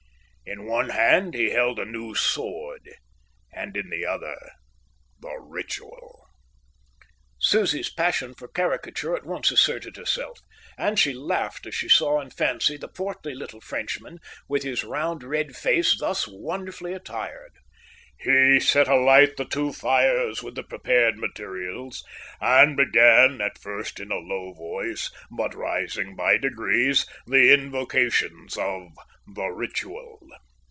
In one hand he held a new sword and in the other the Ritual." Susie's passion for caricature at once asserted itself, and she laughed as she saw in fancy the portly little Frenchman, with his round, red face, thus wonderfully attired. "He set alight the two fires with the prepared materials, and began, at first in a low voice, but rising by degrees, the invocations of the Ritual.